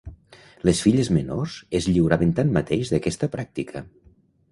Les filles menors es lliuraven, tanmateix, d'aquesta pràctica.